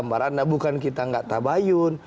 mbak ratna bukan kita nggak tabayun